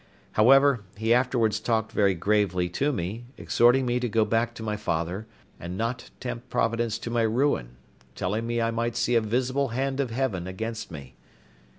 However, he afterwards talked very gravely to me, exhorting me to go back to my father, and not tempt Providence to my ruin, telling me I might see a visible hand of Heaven against me.